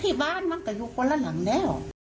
บ้านมันก็อยู่คนละหลังแล้ว